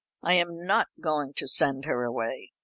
I am not going to send her away.